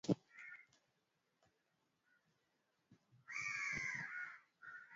wanasayansi wanaendelea kutafuta dawa yenye uwezo wa kutibu ukimwi